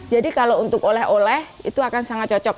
jadi kalau untuk oleh oleh itu akan sangat cocok